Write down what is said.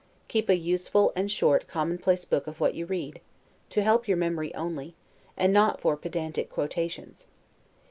Keep a useful and short commonplace book of what you read, to help your memory only, and not for pedantic quotations.